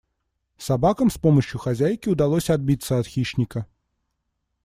Собакам с помощью хозяйки удалось отбиться от хищника.